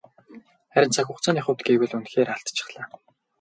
Харин цаг хугацааны хувьд гэвэл үнэхээр алдчихлаа.